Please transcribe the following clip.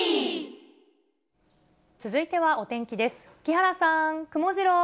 続いてはお天気です。